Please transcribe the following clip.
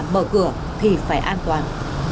mở cửa thì phải an toàn